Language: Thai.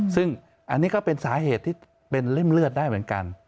ซึ่งอันนี้ก็เป็นสาเหตุที่เป็นริ่มเลือดได้เหมือนกัน